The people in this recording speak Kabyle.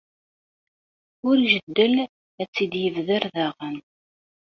Ur ijeddel ad tt-id-yebder daɣen.